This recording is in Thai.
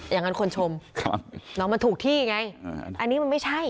อย่างนั้นคนชมน้องมันถูกที่ไงอันนี้มันไม่ใช่